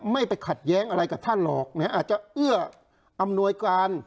ไม่ไปขัดแย้งอะไรกับท่านหรอกอาจจะเอื้ออำนวยการ